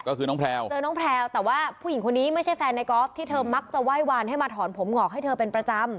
ก็คือน้องแพลวเจอน้องแพลวแต่ว่าผู้หญิงคนนี้ไม่ใช่แฟนในกอล์ฟที่เธอมักจะไหว้วานให้มาถอนผมงอกให้เธอเป็นประจำ